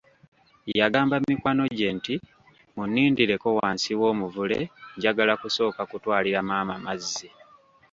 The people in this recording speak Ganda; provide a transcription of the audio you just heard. Yagamba mikwano gye nti, munnindireko wansi w'omuvule njagala kusooka kutwalira maama mazzi.